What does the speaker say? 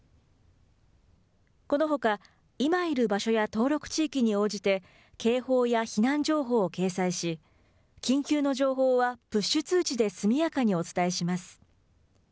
このほか、今いる場所や登録地域に応じて警報や避難情報を掲載し、緊急の情報は、プッシュ通知で速やかにお伝えします。